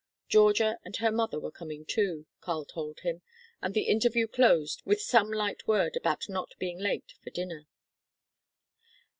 Georgia and her mother were coming too, Karl told him, and the interview closed with some light word about not being late for dinner.